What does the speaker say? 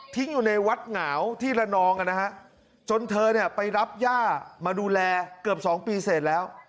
ทิ้งอยู่ในวัดเหงาที่ละนองจนเธอไปรับย่ามาดูแลเกือบ๒ปีเสร็จแล้ว